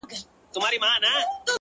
د ظالم لور؛